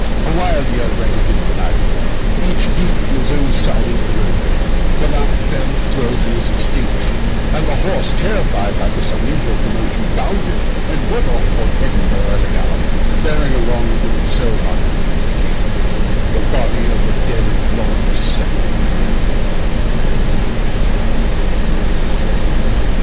A wild yell rang up into the night; each leaped from his own side into the roadway: the lamp fell, broke, and was extinguished; and the horse, terrified by this unusual commotion, bounded and went off toward Edinburgh at a gallop, bearing along with it, sole occupant of the gig, the body of the dead and long dissected Gray.